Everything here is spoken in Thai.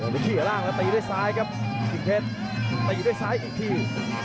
หลังตีด้วยซ้ายครับชิงเทศตีด้วยซ้ายอีกที